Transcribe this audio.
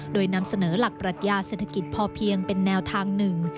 โดยนำเสนอหลักปรัชญาเศรษฐกิจพอเพียงเป็นแนวทางหนึ่ง